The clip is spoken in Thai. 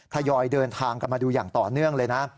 ทยอยเดินทางกันมาดูอย่างต่อเนื่องเลยนะ